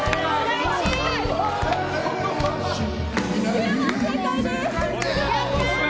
９問正解です！